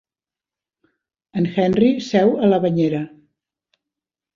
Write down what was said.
En Henry seu a la banyera.